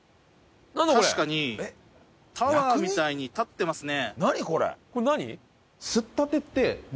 確かにタワーみたいに立ってますね。